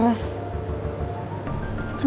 di luar hujan deras